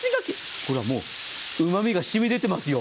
これはもう、うまみがしみ出てますよ。